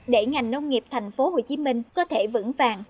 để ngành nông nghiệp thành phố hồ chí minh có thể vững vàng